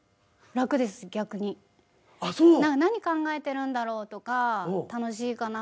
何考えてるんだろうとか楽しいかな